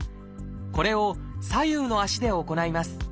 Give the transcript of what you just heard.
これを左右の足で行います。